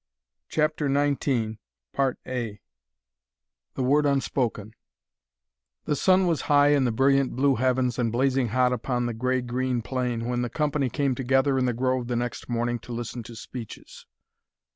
CHAPTER XIX THE WORD UNSPOKEN The sun was high in the brilliant blue heavens and blazing hot upon the gray green plain when the company came together in the grove the next morning to listen to speeches.